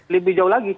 lebih jauh lagi